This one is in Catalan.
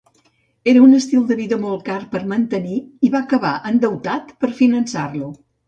Era un estil de vida molt car de mantenir i va acabar endeutat per finançar-lo.